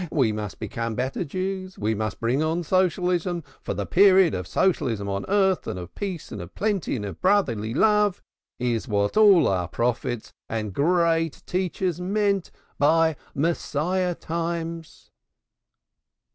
We must become better Jews, we must bring on Socialism, for the period of Socialism on earth and of peace and plenty and brotherly love is what all our prophets and great teachers meant by Messiah times."